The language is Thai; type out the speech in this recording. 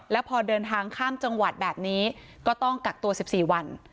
แล้วพอเดินทางข้ามจังหวัดแบบนี้ก็ต้องกักตัว๑๔วัน